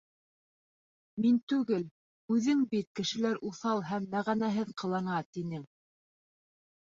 Мин түгел, үҙең бит кешеләр уҫал һәм мәғәнәһеҙ ҡылана, тинең.